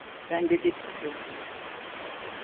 Ben dedektifim.